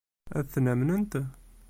Ad ten-amnent?